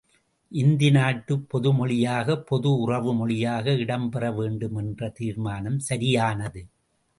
இந்தி, நாட்டுப் பொதுமொழியாக பொது உறவு மொழியாக இடம் பெறவேண்டும் என்ற தீர்மானம் சரியானது.